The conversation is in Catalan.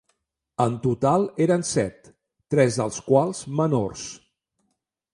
En total eren set, tres dels quals menors.